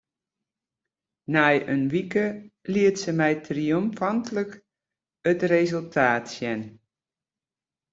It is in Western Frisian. Nei in wike liet se my triomfantlik it resultaat sjen.